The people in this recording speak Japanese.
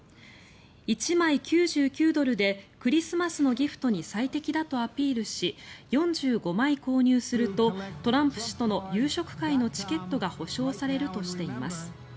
１枚９９ドルでクリスマスのギフトに最適だとアピールし４５枚購入するとトランプ氏との夕食会のチケットが保証されるとしています。